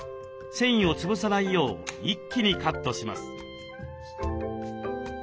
繊維をつぶさないよう一気にカットします。